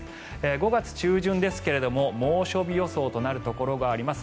５月中旬ですが猛暑日予想となるところがあります。